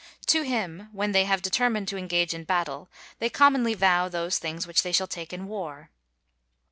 To him, when they have determined to engage in battle, they commonly vow those things which they shall take in war.